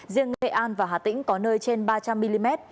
riêng nghệ an và hà tĩnh có nơi trên ba trăm linh mm